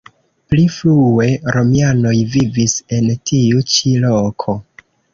Pli frue romianoj vivis en tiu ĉi loko.